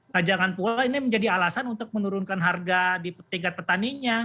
nah jangan pula ini menjadi alasan untuk menurunkan harga di tingkat petaninya